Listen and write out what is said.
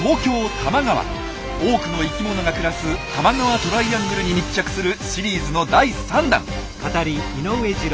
多くの生きものが暮らす「多摩川トライアングル」に密着するシリーズの第３弾。